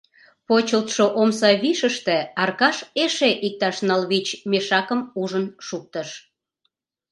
Почылтшо омса вишыште Аркаш эше иктаж ныл-вич мешакым ужын шуктыш.